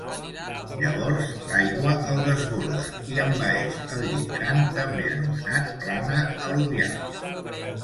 Llavors l'aigua el desborda i envaeix el llit gran, també anomenat plana al·luvial.